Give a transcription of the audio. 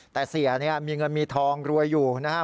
แต่เจ๋ยมีเงินมีทองรวยอยู่นะครับ